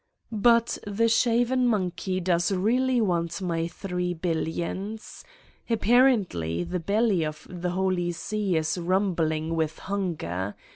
... But the shaven monkey does really want my three billions. Apparently the belly of the Holy 79 Satan's Diary See is rumbling with hunger.